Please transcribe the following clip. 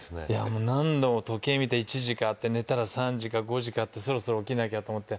もう何度も時計見て１時かって寝たら３時か５時かってそろそろ起きなきゃと思って